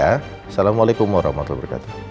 assalamualaikum warahmatullahi wabarakatuh